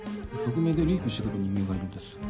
匿名でリークしてくる人間がいるんです。